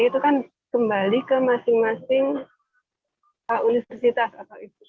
itu kan kembali ke masing masing universitas